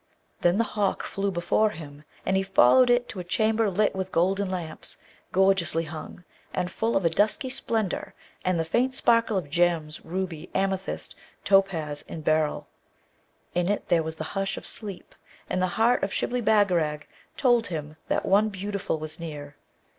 Then the hawk flew before him, and he followed it to a chamber lit with golden lamps, gorgeously hung, and full of a dusky splendour and the faint sparkle of gems, ruby, amethyst, topaz, and beryl; in it there was the hush of sleep, and the heart of Shibli Bagarag told him that one beautiful was near.